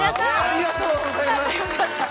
ありがとうございます。